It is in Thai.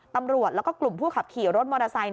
ตำรวจแล้วก็กลุ่มผู้ขับขี่รถมอเตอร์ไซค์